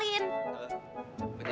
oh iya tehoni kenalin